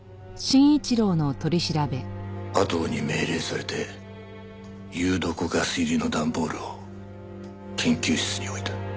阿藤に命令されて有毒ガス入りの段ボールを研究室に置いた。